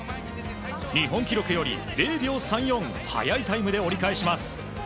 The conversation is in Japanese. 日本記録より０秒３４速いタイムで折り返します。